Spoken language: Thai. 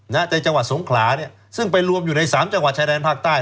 ในจังหวัดสงขลาเนี่ยซึ่งไปรวมอยู่ในสามจังหวัดชายแดนภาคใต้